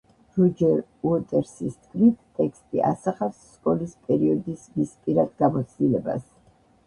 როჯერ უოტერსის თქმით ტექსტი ასახავს სკოლის პერიოდის მის პირად გამოცდილებას.